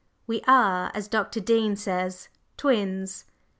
"We are, as Dr. Dean says, twins!"